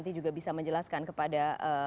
nanti juga bisa menjelaskan kepada